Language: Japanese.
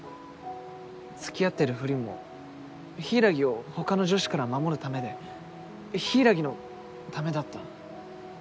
付き合ってるふりも柊を他の女子から守るためで柊のためだった。